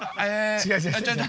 違う違う。